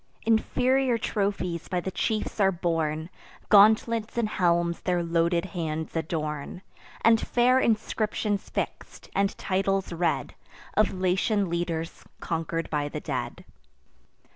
Inferior trophies by the chiefs are borne; Gauntlets and helms their loaded hands adorn; And fair inscriptions fix'd, and titles read Of Latian leaders conquer'd by the dead.